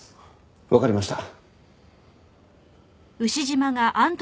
わかりました。